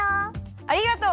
ありがとう。